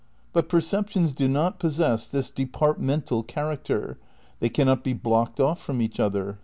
But perceptions do not possess this departmental character, they cannot be blocked off from each other.